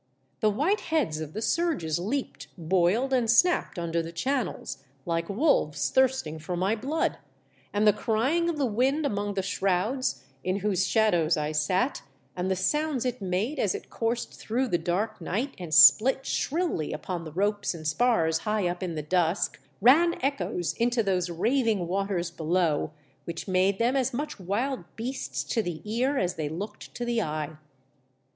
The white heads of the surges leaped, boiled and snapped under the channels, like wolves thirsting for my blood ; and the crying of the wind among the shrouds, in whose shadows I sat, and the sounds it made as it coursed through the dark night and split shrilly upon the ropes and spars high up in the dusk, ran echoes into those raving waters below, which made them as much wild beasts to the ear as they looked to the eye.